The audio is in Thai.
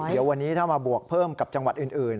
เดี๋ยววันนี้ถ้ามาบวกเพิ่มกับจังหวัดอื่น